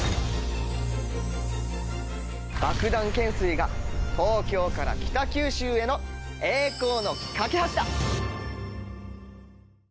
バクダン懸垂が東京から北九州への栄光の架け橋だ！